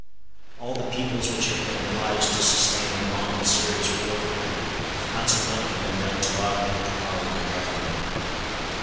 All the peoples which have been obliged to sustain a long and serious warfare have consequently been led to augment the power of their government.